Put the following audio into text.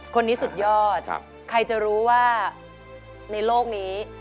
คนนี้สุดยอดใครจะรู้ว่าในโลกนี้